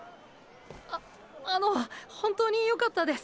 ああの本当によかったです。